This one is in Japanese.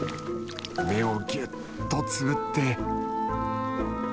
目をぎゅっとつぶって。